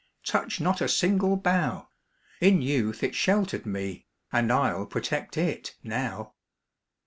Touch not a single bough! In youth it sheltered me, And I'll protect it now.